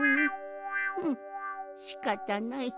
ううしかたない。